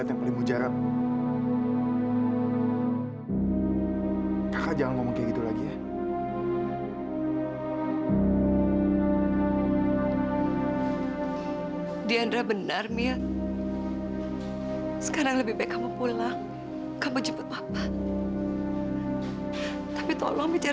sampai jumpa di video selanjutnya